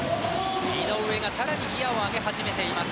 井上が更にギアを上げ始めています。